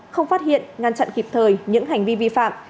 không phát hiện ngăn chặn kịp thời những hành vi vi phạm